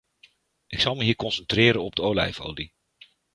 Ik zal me hier concentreren op de olijfolie.